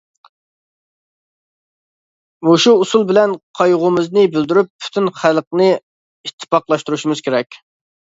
مۇشۇ ئۇسۇل بىلەن قايغۇمىزنى بىلدۈرۈپ، پۈتۈن خەلقنى ئىتتىپاقلاشتۇرۇشىمىز كېرەك.